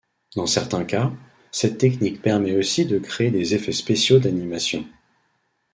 Dans certains cas, cette technique permet aussi de créer des effets spéciaux d'animation.